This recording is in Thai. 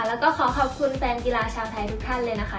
แล้วก็ขอขอบคุณแฟนกีฬาชาวไทยทุกท่านเลยนะคะ